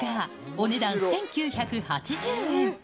お値段１９８０円。